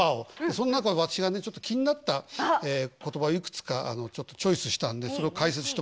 その中で私がねちょっと気になった言葉をいくつかちょっとチョイスしたんでそれを解説してもらおうと思って。